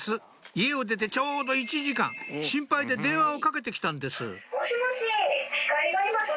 家を出てちょうど１時間心配で電話をかけて来たんですもしもし。